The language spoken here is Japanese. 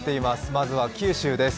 まずは九州です。